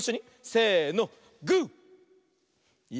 せの！